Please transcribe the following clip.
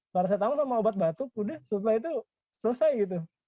paracetamol sama obat batuk sudah setelah itu selesai